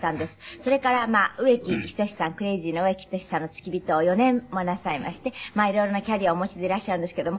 それから植木等さんクレージーの植木等さんの付き人を４年もなさいましてまあ色々なキャリアをお持ちでいらっしゃるんですけども。